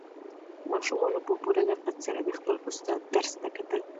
ماشومانو په پوره دقت سره د خپل استاد درس ته کتل.